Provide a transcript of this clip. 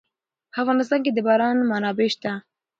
په افغانستان کې د باران منابع شته.